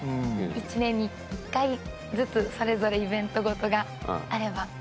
１年に１回ずつそれぞれイベント事があれば。